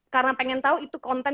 karena pengen tau itu konten